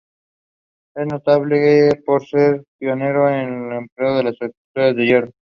Es notable por ser pionero en el empleo de estructuras de hierro.